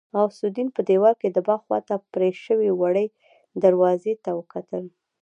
غوث الدين په دېوال کې د باغ خواته پرې شوې وړې دروازې ته وکتل.